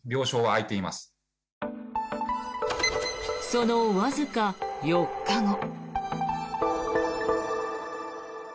そのわずか４日後。